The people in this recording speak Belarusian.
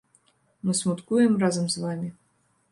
Мы смуткуем разам з вамі.